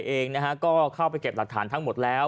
เพิ่มเข้าไปเก็บหลักฐานทั้งหมดแล้ว